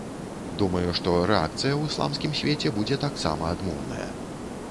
Думаю, што рэакцыя ў ісламскім свеце будзе таксама адмоўная.